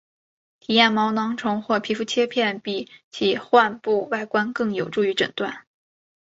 化验毛囊虫或皮肤切片比起患部外观更有助于诊断。